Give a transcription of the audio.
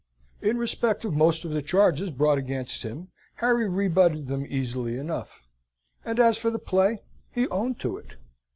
In respect of most of the charges brought against him, Harry rebutted them easily enough: as for the play, he owned to it.